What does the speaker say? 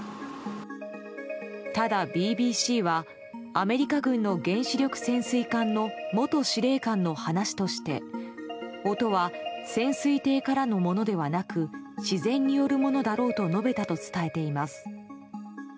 ただ、ＢＢＣはアメリカ軍の原子力潜水艦の元司令官の話として音は潜水艇からのものではなく自然によるものだろうと述べたと伝えています。